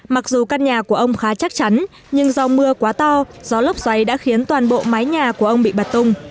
mặc dù căn nhà của ông khá chắc chắn nhưng do mưa quá to gió lốc xoáy đã khiến toàn bộ mái nhà của ông bị bật tung